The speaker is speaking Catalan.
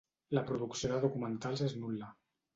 La producció de documentals és nul·la.